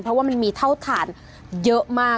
เพราะว่ามันมีเท่าฐานเยอะมาก